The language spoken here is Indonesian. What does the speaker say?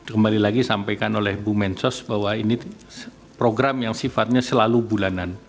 kembali lagi sampaikan oleh bu mensos bahwa ini program yang sifatnya selalu bulanan